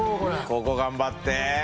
ここ頑張って！